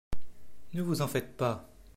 Ne vous en faites pas !